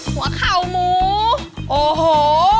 หัวเข่าหมูโอ้โห